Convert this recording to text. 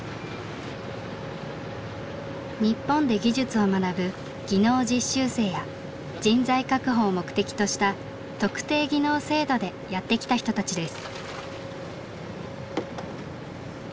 日本で技術を学ぶ技能実習生や人材確保を目的とした特定技能制度でやって来た人たちです。